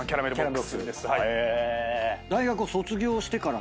大学を卒業してから？